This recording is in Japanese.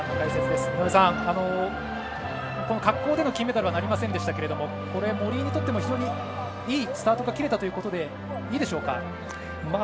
井上さん、滑降での金メダルはなりませんでしたが森井にとっても非常にいいスタートが切れたということでいいでしょうか？